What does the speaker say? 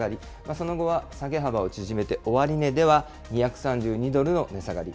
その後は下げ幅を縮めて、終値では２３２ドルの値下がり。